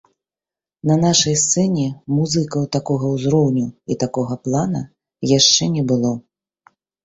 На нашай сцэне музыкаў такога ўзроўню і такога плана яшчэ не было.